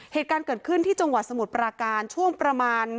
เหตุการณ์เกิดขึ้นที่จังหวัดสมุทรปราการช่วงประมาณ